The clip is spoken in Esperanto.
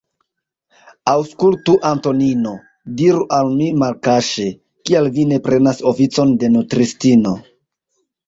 Aŭskultu, Antonino, diru al mi malkaŝe, kial vi ne prenas oficon de nutristino?